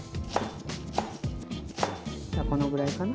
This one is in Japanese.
このぐらいかな。